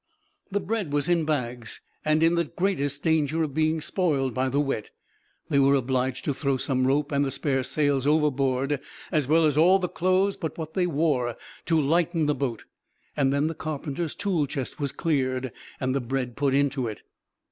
The bread was in bags, and in the greatest danger of being spoiled by the wet. They were obliged to throw some rope and the spare sails overboard, as well as all the clothes but what they wore, to lighten the boat; then the carpenter's tool chest was cleared and the bread put into it.